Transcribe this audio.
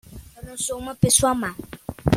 Eu não sou uma pessoa má